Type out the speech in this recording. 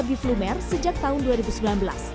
biflumer sejak tahun dua ribu sembilan belas